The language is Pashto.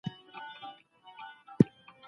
پوروړې د خوښیو